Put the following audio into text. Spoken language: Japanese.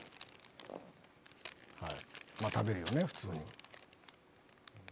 食べるよね普通に。